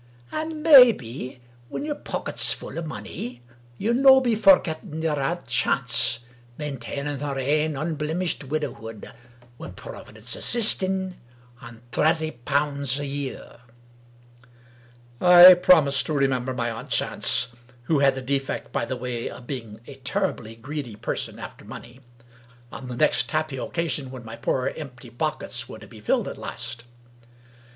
And, mebbe, when yer poaket's full o' money, ye'll no' be forgetting yer aunt Chance, maintaining her 227 English Mystery Stories ain unblemished widowhood — ^wi' Proavidence assisting — on thratty punds a year !" I promised to remember my aunt Chance (who had the defect, by the way, of being a terribly greedy person after money) on the next happy occasion when my poor empty pockets were to be filled at last.